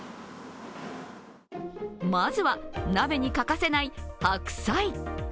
まずは、鍋に欠かせない白菜。